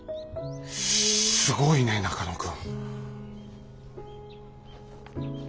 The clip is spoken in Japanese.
すごいね中野君。